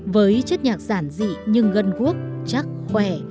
với chất nhạc giản dị nhưng gân quốc chắc khỏe